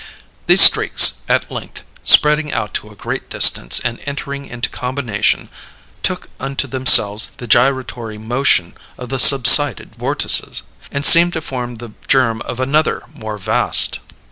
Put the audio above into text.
These streaks, at length, spreading out to a great distance and entering into combination, took unto themselves the gyratory motion of the subsided vortices, and seemed to form the germ of another more vast.